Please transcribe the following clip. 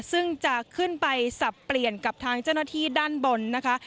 ซึ่งจะขึ้นไปสับเปลี่ยนกับทางเจ้าหน้าที่ด้านบนนะคะ